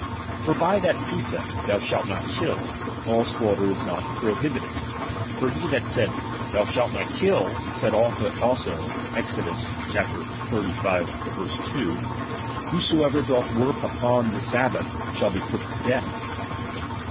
For by that precept. Thou shatt not kill, all slaughter is not prohibited ; for he that said, Thou shalt not kill, said also, {ExoA XXXV. 2) : Whosoever {loth work upon the sabhath, shall be put to death.